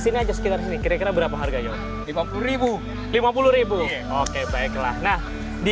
sini aja sekitar sini kira kira berapa harganya lima puluh lima puluh oke baiklah nah di